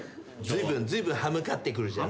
ずいぶん歯向かってくるじゃん。